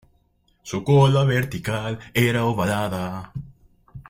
Su cola vertical era ovalada.